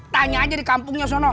tanya aja di kampungnya soalnya mak